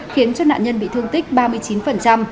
khiến cho nạn nhân bị thương tích ba mươi chín